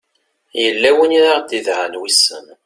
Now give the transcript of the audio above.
yella win i aɣ-d-idɛan wissen